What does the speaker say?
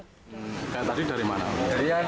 tadi dari mana